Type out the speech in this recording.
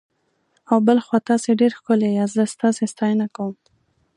او بل خوا تاسي ډېر ښکلي یاست، زه ستاسي ستاینه کوم.